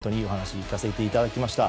本当にいいお話を聞かせていただきました。